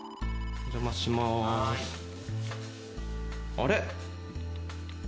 あれ？